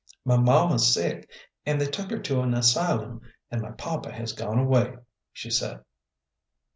"My mamma's sick, and they took her to an asylum. And my papa has gone away," she said.